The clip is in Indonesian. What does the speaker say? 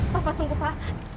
bapak tunggu pak